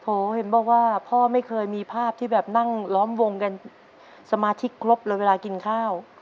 เห็นบอกว่าพ่อไม่เคยมีภาพที่แบบนั่งล้อมวงกันสมาชิกครบเลยเวลากินข้าว